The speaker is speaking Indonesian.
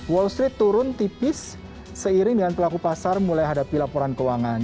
wall street turun tipis seiring dengan pelaku pasar mulai hadapi laporan keuangan